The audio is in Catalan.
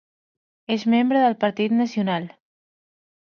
És membre del Partit Nacional.